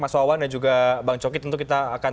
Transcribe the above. mas wawan dan juga bang cokit untuk kita akan